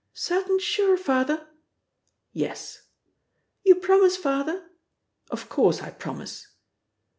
"Certain sure, Father?" "Yes." "You promise, Father?" "Of course I promise."